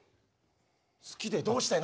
好きでどうしたいの？